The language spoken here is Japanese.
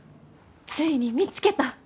ついに見つけた。